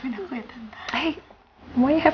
tante selalu meminta maaf